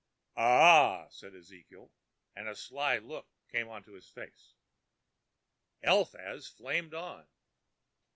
"Ah," said Ezekiel, and a sly look came into his face. Eliphaz flamed on.